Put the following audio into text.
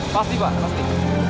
pasti pak pasti